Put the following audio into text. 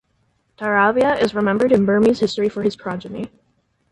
Tarabya is remembered in Burmese history for his progeny.